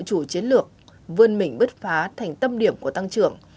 chủ chiến lược vươn mình bứt phá thành tâm điểm của tăng trưởng